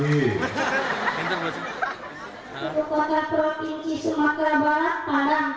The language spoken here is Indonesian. ibu kota provinsi sumatera barat bandung